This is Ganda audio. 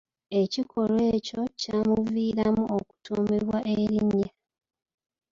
Ekikolwa ekyo kyamuviiramu okutuumibwa erinnya.